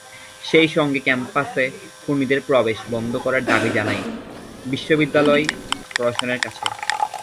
সেই সঙ্গে ক্যাম্পাসে খুনিদের প্রবেশ বন্ধ করার দাবি জানায় বিশ্ববিদ্যালয় প্রশাসনের কাছে।